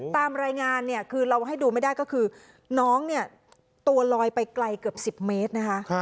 ตามรายงานเนี่ยคือเราให้ดูไม่ได้ก็คือน้องเนี่ยตัวลอยไปไกลเกือบ๑๐เมตรนะคะ